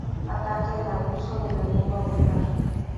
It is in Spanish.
Ataca el abuso de la lengua vulgar.